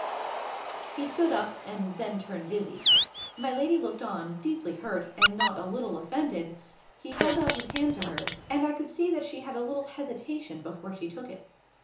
He stood up, and then turned dizzy. My lady looked on, deeply hurt, and not a little offended, he held out his hand to her, and I could see that she had a little hesitation before she took it.